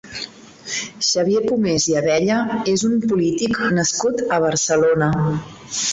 Xavier Pomés i Abella és un polític nascut a Barcelona.